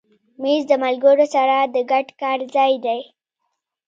مېز د ملګرو سره د ګډ کار ځای دی.